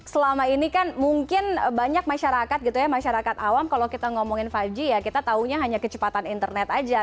selama ini kan mungkin banyak masyarakat awam kalau kita ngomongin lima g ya kita taunya hanya kecepatan internet saja